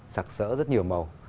sặc sỡ rất nhiều màu